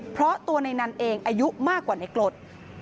เพราะตัวในนั้นเองอายุมากกว่าในกรด